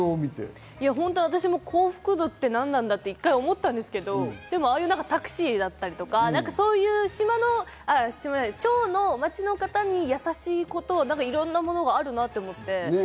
私も幸福度って何なんだと一回思ったんですけど、ああいうタクシーだったりとか、そういう町の方に優しいこと、いろなものがあるなと思って。